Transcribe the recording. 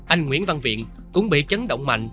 anh nguyễn văn viện cũng bị chấn động mạnh